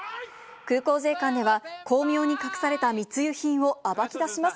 空港税関では巧妙に隠された密輸品を暴き出します。